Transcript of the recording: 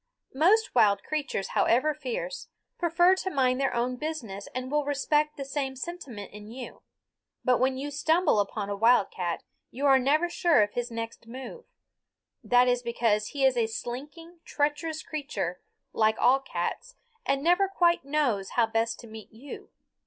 Most wild creatures, however fierce, prefer to mind their own business and will respect the same sentiment in you. But when you stumble upon a wildcat you are never sure of his next move. That is because he is a slinking, treacherous creature, like all cats, and never quite knows how best to meet you.